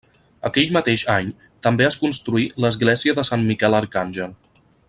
Aquell mateix any també es construí l'església de Sant Miquel Arcàngel.